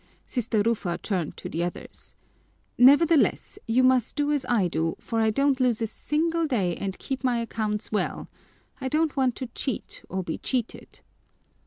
Sister Rufa turned to the others: "Nevertheless, you must do as I do, for I don't lose a single day and I keep my accounts well. I don't want to cheat or be cheated."